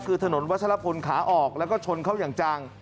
คือถนนวัชลพลขาออกแล้วก็ชนเข้าอย่างจัง